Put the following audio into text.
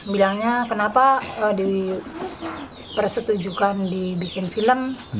bilangnya kenapa dipersetujukan dibikin film